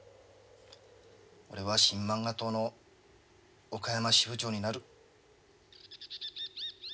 俺は新漫画党の岡山支部長になる。